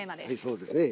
そうですね。